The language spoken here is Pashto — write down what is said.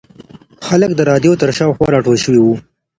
خلک د رادیو تر شاوخوا راټول شوي وو.